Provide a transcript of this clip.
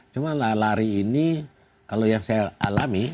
cuma lari lari ini kalau yang saya alami